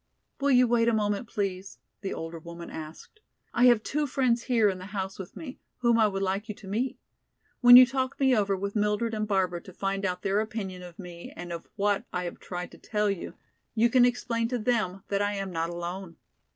"Will you wait a moment, please?" the older woman asked. "I have two friends here in the house with me, whom I would like you to meet. When you talk me over with Mildred and Barbara to find out their opinion of me and of what I have tried to tell you, you can explain to them that I am not alone.